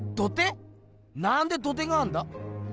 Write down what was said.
なんで土手があんだ？